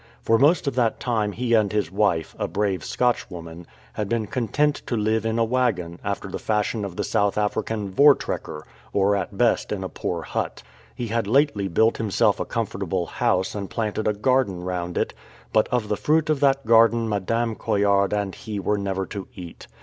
For most of that time he and his wife, a brave Scotchwoman, had been content to live in a waggon, after the fashion of the South African " vortrekker,'' or at best in a poor hut. He had lately built himself a comfortable house and planted a garden round it ; but of the fruit of that garden Madame Coillard and he were never to eat.